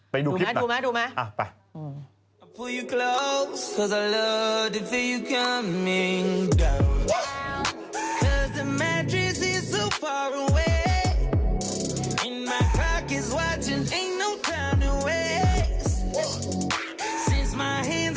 ไปดูคลิปหน่ะอ้าวไปดูมั้ยดูมั้ยดูมั้ยอ้าวไป